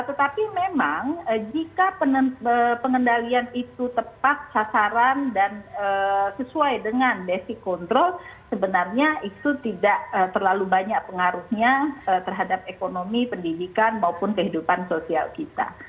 tetapi memang jika pengendalian itu tepat sasaran dan sesuai dengan basic control sebenarnya itu tidak terlalu banyak pengaruhnya terhadap ekonomi pendidikan maupun kehidupan sosial kita